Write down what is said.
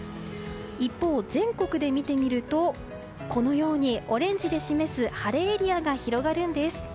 一方、全国で見てみるとオレンジで示す晴れエリアが広がるんです。